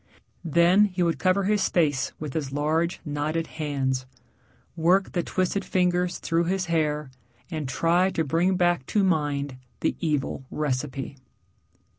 Then he would cover his face with his large, knotted hands, work the twisted fingers through his hair, and try to bring back to mind the evil recipe.